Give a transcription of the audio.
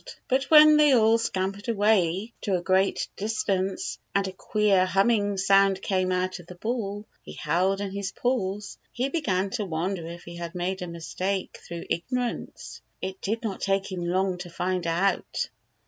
But when they all scampered away to a great distance, and a queer humming sound came out of the ball he held in his paws, he began to wonder if he had made a mistake through ignorance. It did not take him long to find out.